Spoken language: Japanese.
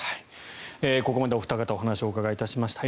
ここまでお二方にお話をお伺いしました。